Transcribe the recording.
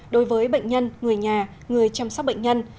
đối với bệnh nhân người nhà người chăm sóc bệnh nhân